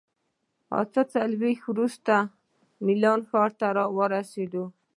اته څلوېښت ساعته وروسته میلان ښار ته ورسېدو.